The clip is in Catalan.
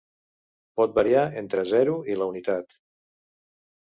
Pot variar entre zero i la unitat.